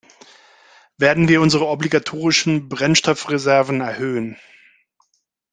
Werden wir unsere obligatorischen Brennstoffreserven erhöhen?